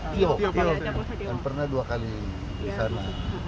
tio pernah dua kali di sana